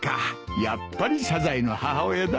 やっぱりサザエの母親だな。